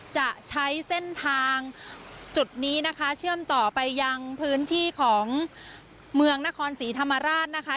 จะใช้เส้นทางจุดนี้นะคะเชื่อมต่อไปยังพื้นที่ของเมืองนครศรีธรรมราชนะคะ